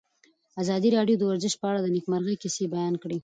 ازادي راډیو د ورزش په اړه د نېکمرغۍ کیسې بیان کړې.